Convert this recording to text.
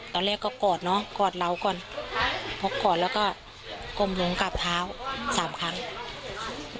ตอนแรกก็กอดเนอะกอดเราก่อนพกกอดแล้วก็ก้มลงกราบเท้าสามครั้ง